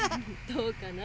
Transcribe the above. どうかな？